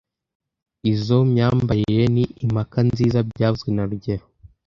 Izoi myambarire ni impaka nziza byavuzwe na rugero